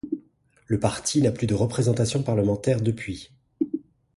Le parti n'a plus de représentation parlementaire depuis.